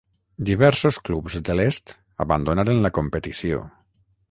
Diversos clubs de l'est abandonaren la competició.